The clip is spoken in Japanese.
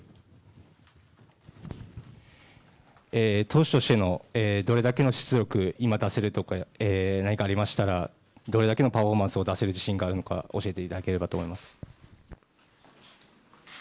投手として、どれだけの出力を今出せるとか、何かありましたらどれだけのパフォーマンスを出せるか自信が出せるのか教えていただければと思います。